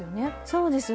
そうです。